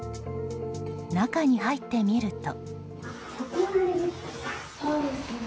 中に入ってみると。